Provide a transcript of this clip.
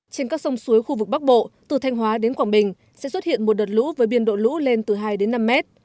trên các sông suối khu vực bắc bộ từ thanh hóa đến quảng bình sẽ xuất hiện một đợt lũ với biên độ lũ lên từ hai đến năm mét